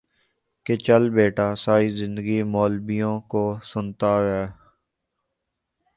کہ چل بیٹا ساری زندگی مولبیوں کو سنتا رہ